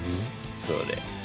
それ。